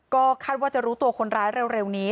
ก็คาดว่าจะรู้ตัวคนร้ายเร็วนี้